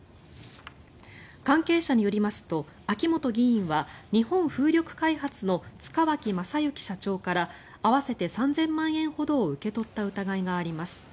関係者によりますと秋本議員は日本風力開発の塚脇正幸社長から合わせて３０００万円ほどを受け取った疑いがあります。